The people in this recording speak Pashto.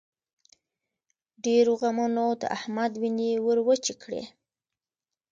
ډېرو غمونو د احمد وينې ور وچې کړې.